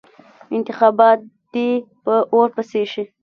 انتخابات دې په اور پسې شي.